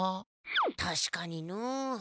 たしかにのう。